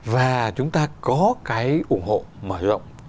và chúng ta có cái ủng hộ mở rộng